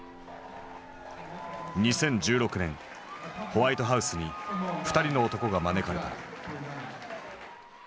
ホワイトハウスに２人の男が招かれた。